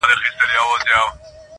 راتلو کي به معیوبه زموږ ټوله جامعه وي,